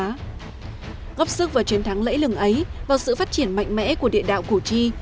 ngóc sức và chiến thắng lẫy lừng ấy vào sự phát triển mạnh mẽ của địa đạo cù chi